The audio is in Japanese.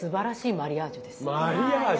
マリアージュ。